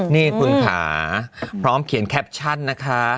นี่คุณค่ะพร้อมเขียนแคปชั่นนะคะ